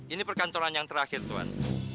ini perkantoran yang terakhir tuhan